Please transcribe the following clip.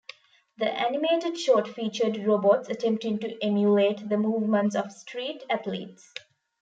The animated short featured robots attempting to emulate the movements of street athletes.